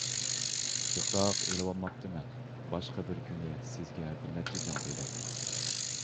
جىقراق ئېلىۋالماپتىمەن، باشقا بىر كۈنى سىزگە بىر نەچچە جىڭ بېرەي.